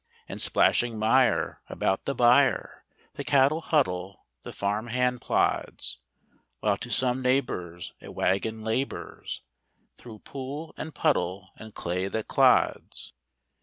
In splashing mire about the byre The cattle huddle, the farm hand plods; While to some neighbor's a wagon labors Through pool and puddle and clay that clods.